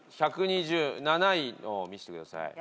７位のを見せてください。